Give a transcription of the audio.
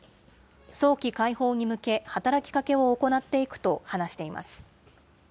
早期解放に向け、働きかけを行っていくと話しています。